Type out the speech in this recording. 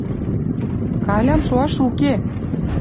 Калям шоаш уке!